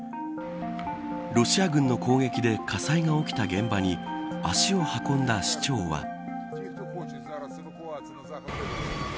ロシア軍の攻撃で火災が起きた現場に足を運んだ市長は。